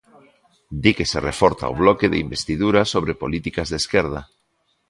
Di que se reforza o bloque de investidura sobre políticas de esquerda.